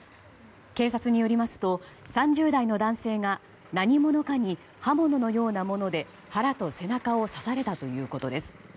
警察によりますと３０代の男性が何者かに刃物のようなもので腹と背中を刺されたということです。